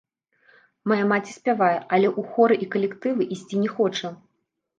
Мая маці спявае, але ў хоры і калектывы ісці не хоча.